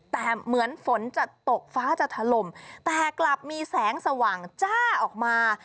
แต่เหมือนฝนจะตกฟ้าจะถล่มแต่กลับมีแสงสว่างจ้าออกมา